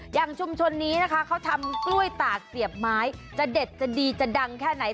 อย่างชุมชนนี้นะคะเขาทำกล้วยตากเสียบไม้จะเด็ดจะดีจะดังแค่ไหน